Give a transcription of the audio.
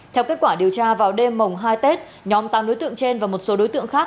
theo kết quả điều tra vào đêm mồng hai tết nhóm tám đối tượng trên và một số đối tượng khác